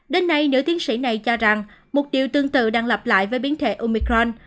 đến nay nữ tiến sĩ này cho rằng mục tiêu tương tự đang lặp lại với biến thể omicron